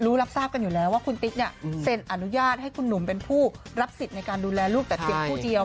รับทราบกันอยู่แล้วว่าคุณติ๊กเนี่ยเซ็นอนุญาตให้คุณหนุ่มเป็นผู้รับสิทธิ์ในการดูแลลูกแต่เพียงผู้เดียว